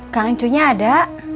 kangen cucunya ada